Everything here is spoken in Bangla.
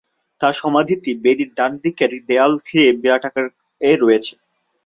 তার সমাধিটি বেদির ডানদিকের দেয়াল ঘিরে বিরাট আকারে রয়েছে।